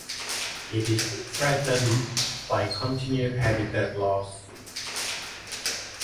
It is threatened by continued habitat loss.